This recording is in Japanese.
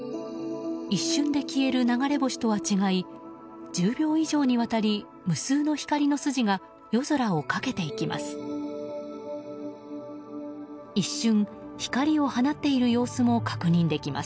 一瞬で消える流れ星とは違い１０秒以上にわたり無数の光の筋が夜空をかけていきます。